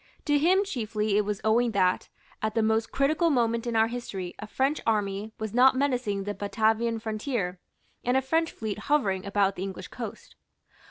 To him chiefly it was owing that, at the most critical moment in our history, a French army was not menacing the Batavian frontier and a French fleet hovering about the English coast.